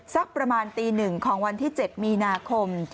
สักประมาณตี๑ของวันที่๗มีนาคม